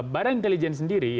badan intelijen sendiri